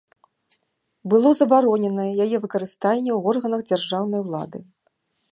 Было забароненае яе выкарыстанне ў органах дзяржаўнай улады.